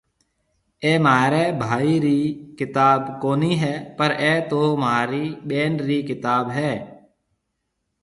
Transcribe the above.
اَي مهاريَ ڀائي رِي ڪتاب ڪونَي هيَ پر اَي تو مهارِي ٻين رِي ڪتاب هيَ۔